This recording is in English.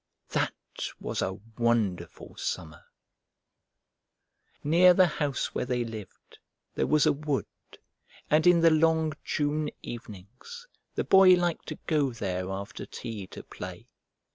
That was a wonderful Summer! Near the house where they lived there was a wood, and in the long June evenings the Boy liked to go there after tea to play.